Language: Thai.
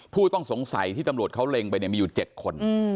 ผู้ต้องสงสัยที่ตำรวจเขาเล็งไปมีอยู่๗คน